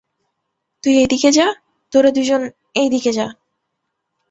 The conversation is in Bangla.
তুই এই দিকে যা, তোরা দুইজন এই দিকে যা।